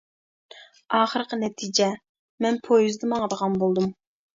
ئاخىرقى نەتىجە: مەن پويىزدا ماڭىدىغان بولدۇم.